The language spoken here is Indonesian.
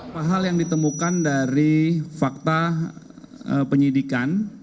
hal yang ditemukan dari fakta penyidikan